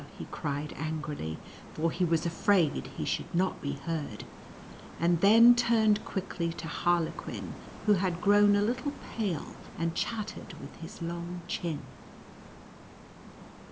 he cried angrily, for he was afraid he should not be heard, and then turned quickly to Harlequin, who had grown a little pale, and chattered with his long chin.